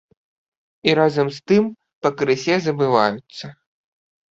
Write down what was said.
І разам з тым пакрысе забываюцца.